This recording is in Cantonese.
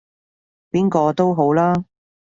邊個都好啦